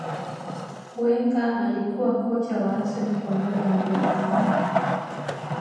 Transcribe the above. Wenger alikuwa kocha wa arsenal kwa muda mrefu